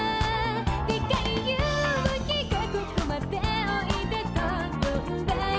「でっかい夕日がここまでおいでと呼んだよ」